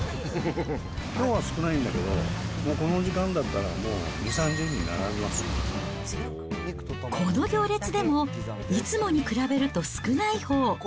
きょうは少ないんだけど、もうこの時間だったら、もう２、３０人この行列でも、いつもに比べると少ないほう。